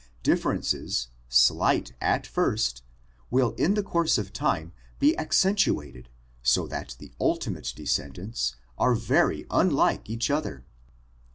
Differences, slight at first, will in the course of time be ac centuated so that the ultimate descendants are very unlike each other.